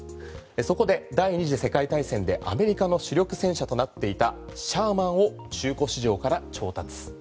そこで第２次世界大戦でアメリカの主力戦車となっていたシャーマンを中古市場から調達。